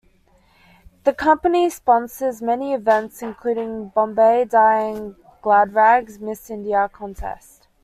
The company sponsors many events, including Bombay Dyeing Gladrags Mrs. India contest.